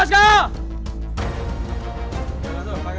lalu penyeberangan kering dengan metode flying fox